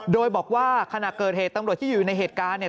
โดยบอกว่าขณะเกิดเหตุตำรวจที่อยู่ในเหตุการณ์เนี่ย